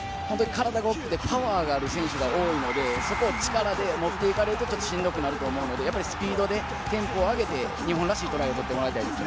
体が大きくてパワーのある選手が多いので、力で持っていかれると、しんどくなると思うので、スピードでテンポを上げて、日本らしいトライを決めてもらいたいです。